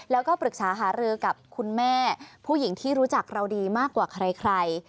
แล้วก็ปรึกษาหารือกับคุณแม่ผู้หญิงที่รู้จักเราดีมากกว่าใคร